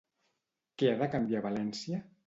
Què ha de canviar a València?